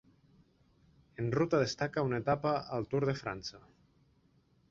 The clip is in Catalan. En ruta destaca una etapa al Tour de França.